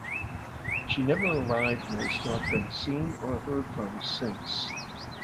She never arrived and has not been seen or heard from since.